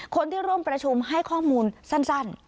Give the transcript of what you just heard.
คนที่ร่วมประชุมให้ข้อมูลสั้น